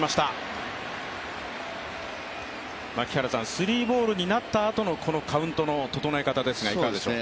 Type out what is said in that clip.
スリーボールになったあとのカウントのととのえ方ですが、いかがでしょうか。